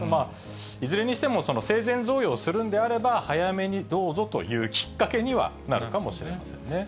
いずれにしても生前贈与をするんであれば、早めにどうぞというきっかけには、なるかもしれませんね。